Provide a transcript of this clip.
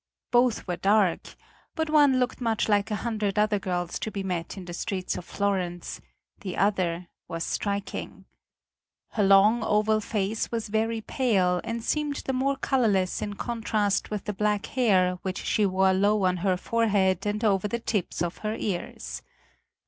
Both were dark, but one looked much like a hundred other girls to be met in the streets of Florence, the other was striking. Her long, oval face was very pale, and seemed the more colorless in contrast with the black hair which she wore low on her forehead and over the tips of her ears.